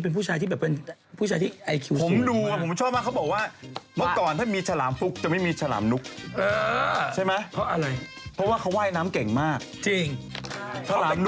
เพราะกินอาหารเย็นไม่ได้ฉันรู้สิคะฉันก็ทำงานกับเอกแซน